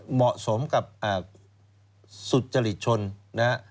เหมาะสมกับสุจริตชนนะฮะ